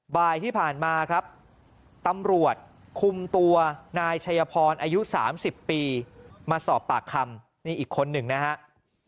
บ่ายที่ผ่านมาครับตำรวจคุมตัวนายชัยพรอายุ๓๐ปีมาสอบปากคำนี่อีกคนหนึ่งนะครับ